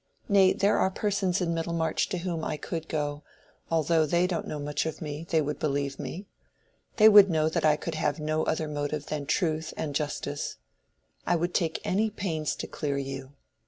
Nay, there are persons in Middlemarch to whom I could go; although they don't know much of me, they would believe me. They would know that I could have no other motive than truth and justice. I would take any pains to clear you.